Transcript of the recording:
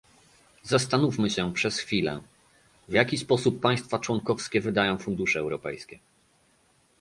Zastanówmy się przez chwilę, w jaki sposób państwa członkowskie wydają fundusze europejskie